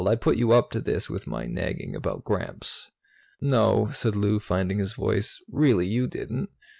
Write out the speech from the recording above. I put you up to this with my nagging about Gramps." "No," said Lou, finding his voice, "really you didn't.